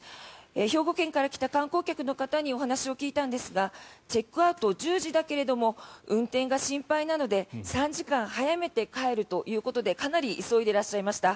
兵庫県から来た観光客の方にお話を聞いたんですがチェックアウトは１０時だけれども運転が心配なので３時間早めて帰るということでかなり急いでいらっしゃいました。